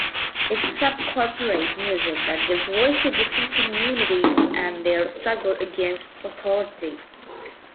It's subcorporate music that gives voice to different communities and their struggle against authority.